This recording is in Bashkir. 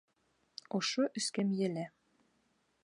Ошо эскәмйәлә.